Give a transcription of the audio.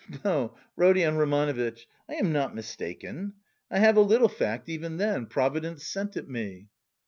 "No, Rodion Romanovitch, I am not mistaken. I have a little fact even then, Providence sent it me."